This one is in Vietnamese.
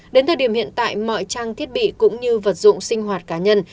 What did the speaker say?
đến thời điểm hiện tại mọi trang thiết bị cũng như vật dụng sinh hoạt cá nhân